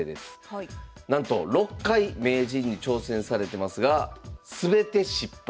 なんと６回名人に挑戦されてますが全て失敗。